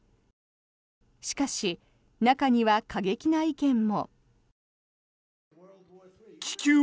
しかし、中には過激な意見も。